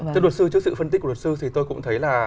thưa luật sư trước sự phân tích của luật sư thì tôi cũng thấy là